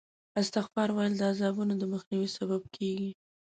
استغفار ویل د عذابونو د مخنیوي سبب کېږي.